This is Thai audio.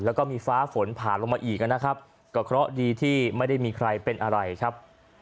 แล้วก็มีฟ้าฝนผ่านลงมาอีกนะครับก็เคราะห์ดีที่ไม่ได้มีใครเป็นอะไรครับ